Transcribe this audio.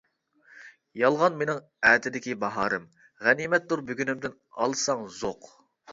يالغان مېنىڭ ئەتىدىكى باھارىم، غەنىيمەتتۇر بۈگۈنۈمدىن ئالساڭ زوق.